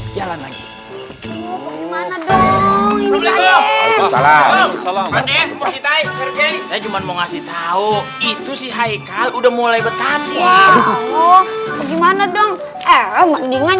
gimana dong ini saya cuma mau ngasih tahu itu si haikal udah mulai bertanding gimana dong mendingan